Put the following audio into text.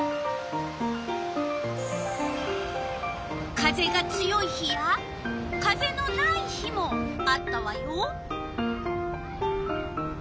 風が強い日や風のない日もあったわよ。